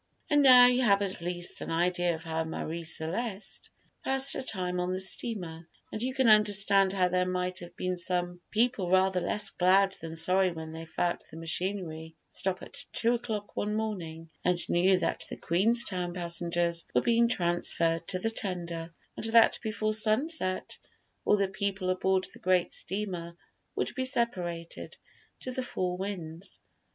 And now you have at least an idea of how Marie Celeste passed her time on the steamer, and you can understand how there might have been some people rather less glad than sorry when they felt the machinery stop at two o'clock one morning, and knew that the Queenstown passengers were being transferred to the tender, and that before sunset all the people aboard the great steamer would be separated to the four winds.